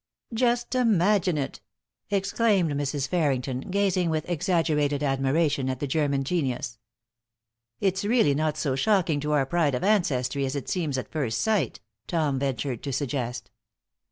"Just imagine it!" exclaimed Mrs. Farringdon, gazing with exaggerated admiration at the German genius. "It's really not so shocking to our pride of ancestry as it seems at first sight;" Tom ventured to suggest.